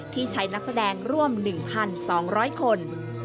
ที่ใช้นักแสดงร่วม๑๒๐๐คน